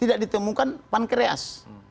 tidak ditemukan pankreas